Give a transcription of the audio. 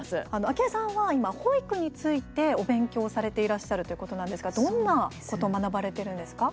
あきえさんは今、保育についてお勉強されていらっしゃるということなんですがどんなことを学ばれてるんですか。